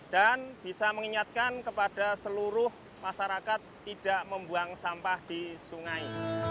dan bisa mengingatkan kepada seluruh masyarakat tidak membuang sampah di sungai